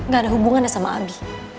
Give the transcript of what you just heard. gak ada hubungannya sama abi